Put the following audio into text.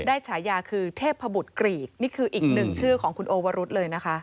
ฉายาคือเทพบุตรกรีกนี่คืออีกหนึ่งชื่อของคุณโอวรุษเลยนะคะ